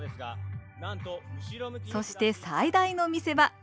そして最大の見せ場。